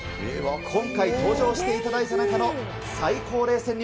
今回登場していただいた中の最高齢仙人。